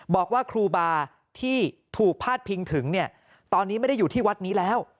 บอกว่าครูบาที่ถูกพาดพิงถึงเนี่ยตอนนี้ไม่ได้อยู่ที่วัดนี้แล้ว